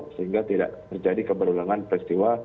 sehingga tidak terjadi keberulangan peristiwa